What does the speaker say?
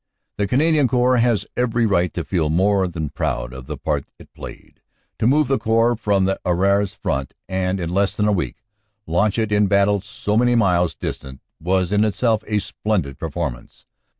"The Canadian Corps has every right to feel more than proud of the part it played. To move the Corps from the Arras front and in less than a week launch it in battle so many miles distant was in itself a splendid performance.